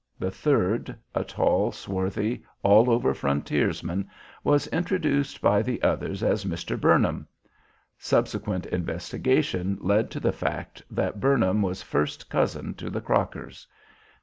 The third, a tall, swarthy, all over frontiersman, was introduced by the others as Mr. Burnham. Subsequent investigations led to the fact that Burnham was first cousin to the Crockers.